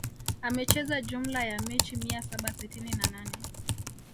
Amecheza jumla ya mechi mia saba sitini na nane